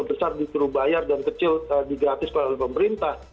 besar diturut bayar dan kecil di gratis oleh pemerintah